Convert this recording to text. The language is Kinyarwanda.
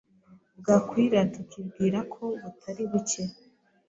bwakwira tukibwira ko butari bucye